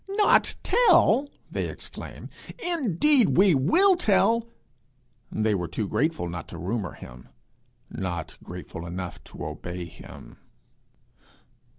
'Not tell!' they exclaim. 'Indeed, we will tell!' They were too grateful not to rumour him, not grateful enough to obey him.